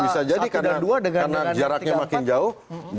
bisa jadi karena jaraknya makin jauh